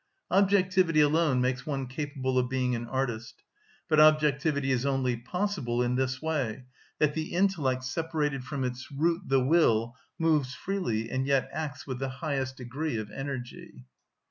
Objectivity alone makes one capable of being an artist; but objectivity is only possible in this way, that the intellect, separated from its root the will, moves freely, and yet acts with the highest degree of energy.